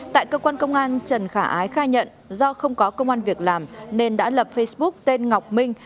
tại cơ quan công an trần khả ái khai nhận do không có công an việc làm nên đã lập facebook tên ngọc minh